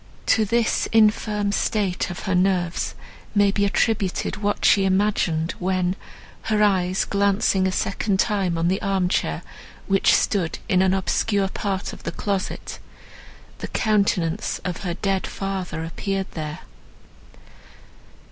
To this infirm state of her nerves may be attributed what she imagined, when, her eyes glancing a second time on the arm chair, which stood in an obscure part of the closet, the countenance of her dead father appeared there.